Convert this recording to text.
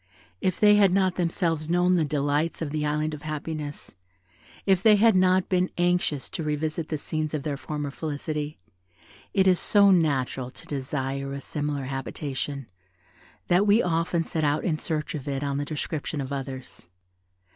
If they had not themselves known the delights of the Island of Happiness, if they had not been anxious to revisit the scenes of their former felicity, it is so natural to desire a similar habitation, that we often set out in search of it on the description of others.